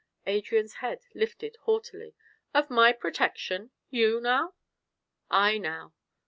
Adrian's head lifted haughtily. "Of my protection! You, now?" "I, now.